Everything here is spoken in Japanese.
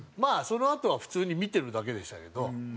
そのあとは普通に見てるだけでしたけど。